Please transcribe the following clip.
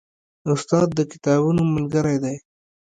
استاد د کتابونو ملګری دی.